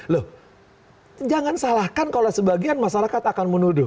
loh jangan salahkan kalau sebagian masyarakat akan menuduh